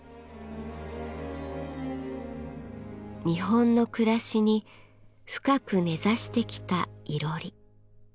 日本の暮らしに深く根ざしてきたいろり。